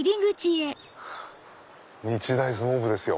日大相撲部ですよ。